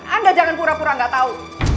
anda jangan pura pura nggak tahu